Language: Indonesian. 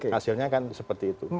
hasilnya kan seperti itu